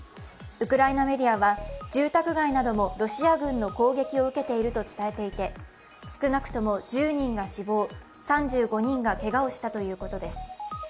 ウクライナメディアは住宅街などもロシア軍の攻撃を受けていると伝えていて、少なくとも１０人が死亡３５人がけがをしたということです。